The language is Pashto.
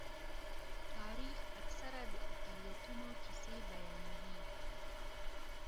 تاریخ اکثره د اقلیتونو کیسې بیانوي.